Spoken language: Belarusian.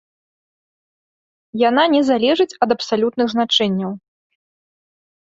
Яна не залежыць ад абсалютных значэнняў.